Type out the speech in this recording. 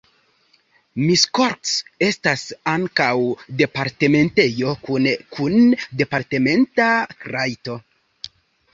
Miskolc estas ankaŭ departementejo kune kun departementa rajto.